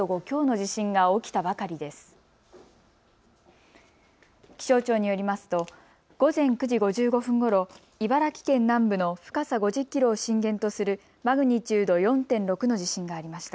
気象庁によりますと午前９時５５分ごろ茨城県南部の深さ５０キロを震源とするマグニチュード４．６の地震がありました。